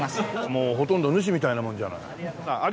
もうほとんど主みたいなもんじゃない。